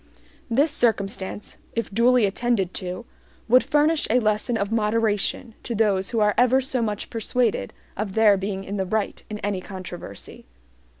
This circumstance, if duly attended to, would furnish a lesson of moderation to those who are ever so much persuaded of their being in the right in any controversy.